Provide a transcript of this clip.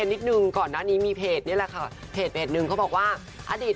รู้ไหมว่าใครอยากรู้มากเลย